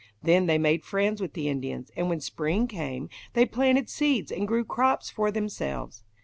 Then they made friends with the Indians, and when spring came they planted seeds and grew crops for themselves.